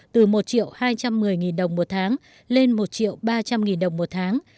từ một hai trăm một mươi đồng một tháng lên một ba trăm linh đồng một tháng